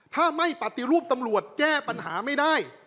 ถ้าไม่ปฏิรูปตำรวจแก้ปัญหาไม่ได้